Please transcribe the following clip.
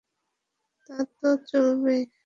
তা তো চাইবেই।